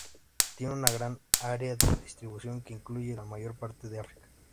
Tiene una gran área de distribución, que incluye la mayor parte de África.